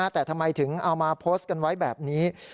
แต่ทำไมถึงเอามาโพสต์กันไว้แบบนี้